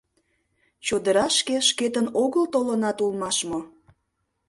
— Чодырашке шкетын огыл толынат улмаш мо?..